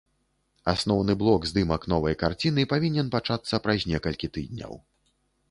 Асноўны блок здымак новай карціны павінен пачацца праз некалькі тыдняў.